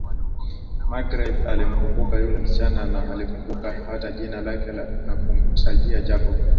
Magreth alimkumbuka yule msichana na alikumbuka hata jina lake na kumtajia Jacob